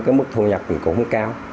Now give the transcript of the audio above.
cái mức thu nhập mình cũng không cao